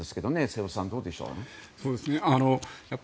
瀬尾さん、どうでしょう。